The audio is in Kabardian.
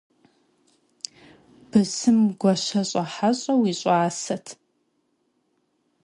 Bısım guaşeş'e heş'e yi ş'ased.